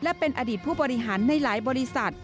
และเป็นอดีตผู้บริหารในหลายบริษัท